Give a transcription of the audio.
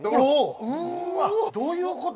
どういうこと？